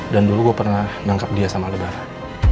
dan dulu gue pernah nangkep dia sama aldebaran